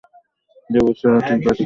লেবু ছাড়া, ঠিক আছে?